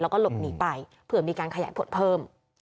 แล้วก็หลบหนีไปเผื่อมีการขยายผลเพิ่ม